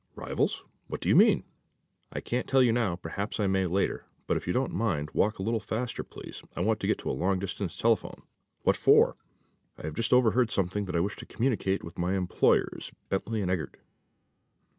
"Rivals? What do you mean?" "I can't tell you now. Perhaps I may later. But if you don't mind, walk a little faster, please. I want to get to a long distance telephone." "What for?" "I have just overheard something that I wish to communicate to my employers, Bentley & Eagert."